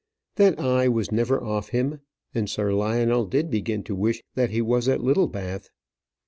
That eye was never off him, and Sir Lionel did begin to wish that he was at Littlebath.